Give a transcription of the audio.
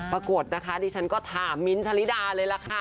ปรากฏนะคะดิฉันก็ถามมิ้นท์ชะลิดาเลยล่ะค่ะ